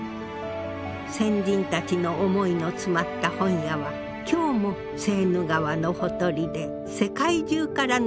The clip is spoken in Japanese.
先人たちの思いの詰まった本屋は今日もセーヌ川のほとりで世界中からの訪問客を待っているわ。